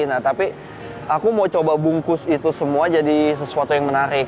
nah tapi aku mau coba bungkus itu semua jadi sesuatu yang menarik